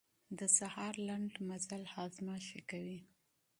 د سهار لنډ مزل هاضمه ښه کوي.